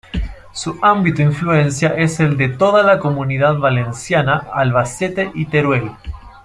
Su ámbito influencia es el de toda la Comunidad Valenciana, Albacete y Teruel.